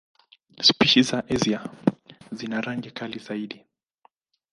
Spishi za Asia zina rangi kali zaidi.